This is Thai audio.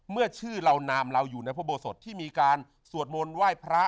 เมื่อชื่อเรานามเราอยู่ในพระโบสถที่มีการสวดมนต์ไหว้พระ